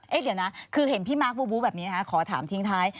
เดี๋ยวนะคือเห็นพี่มาร์คบูแบบนี้นะคะขอถามทิ้งท้าย